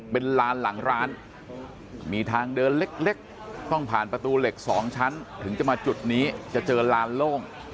เป็นลานหลังร้านมีทางเดินเล็กต้องผ่านประตูเหล็ก๒ชั้นถึงจะมาจุดนี้จะเจอลานโล่ง